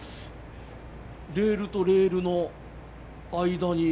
レールとレールの間にね